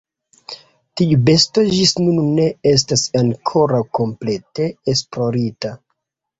Tiu besto ĝis nun ne estas ankoraŭ komplete esplorita.